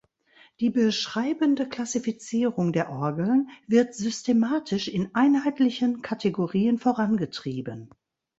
Die beschreibende Klassifizierung der Orgeln wird systematisch in einheitlichen Kategorien vorangetrieben.